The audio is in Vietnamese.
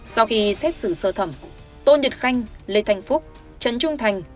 sau khi xét xử sơ thẩm tôn nhật khanh lê thanh phúc trần trung thành